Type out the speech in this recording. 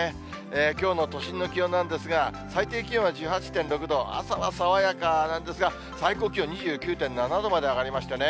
きょうの都心の気温なんですが、最低気温は１８．６度、朝は爽やかなんですが、最高気温２９．７度まで上がりましたね。